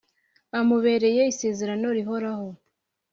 amubereye isezerano rihoraho,